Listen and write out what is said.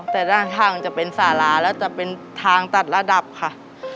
แต่ด้านข้างมันจะเป็นสาราแล้วจะเป็นทางตัดระดับค่ะ